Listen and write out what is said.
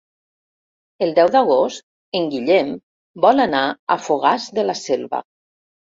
El deu d'agost en Guillem vol anar a Fogars de la Selva.